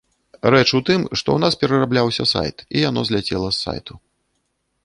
Рэч у тым, што ў нас перарабляўся сайт, і яно зляцела з сайту.